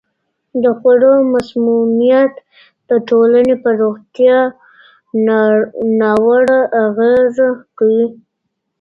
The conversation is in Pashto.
د خوړو مسمومیت د ټولنې په روغتیا ناوړه اغېزه کوي.